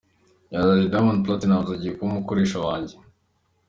Yagize ati "Diamond Platnumz agiye kuba umukoresha wanjye.